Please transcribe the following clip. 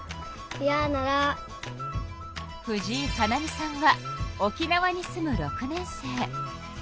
藤井可菜美さんは沖縄に住む６年生。